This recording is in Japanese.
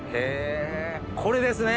これですね？